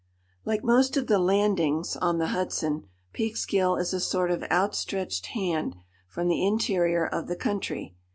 Like most of the landings on the Hudson, Peekskill is a sort of outstretched hand from the interior of the country.